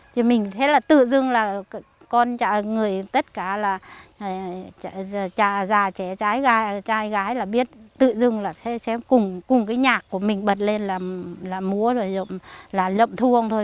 thì mình thế là tự dưng là con người tất cả là già trẻ trai gái là biết tự dưng là sẽ cùng cùng cái nhạc của mình bật lên là múa là lộn thuông thôi